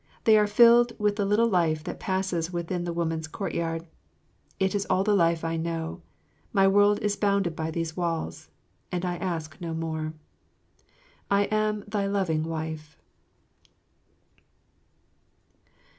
They are filled with the little life that passes within the women's courtyard. It is all the life I know. My world is bounded by these walls, and I ask no more. I am thy loving wife.